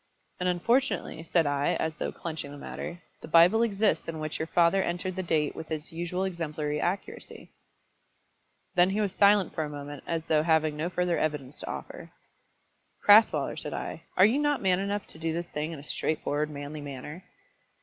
"And unfortunately," said I, as though clenching the matter, "the Bible exists in which your father entered the date with his usual exemplary accuracy." Then he was silent for a moment as though having no further evidence to offer. "Crasweller," said I, "are you not man enough to do this thing in a straightforward, manly manner?"